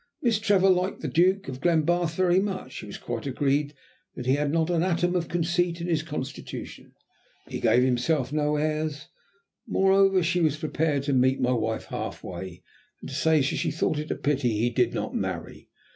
Miss Trevor liked the Duke of Glenbarth very much; she was quite agreed that he had not an atom of conceit in his constitution; he gave himself no airs; moreover, she was prepared to meet my wife half way, and to say that she thought it a pity he did not marry.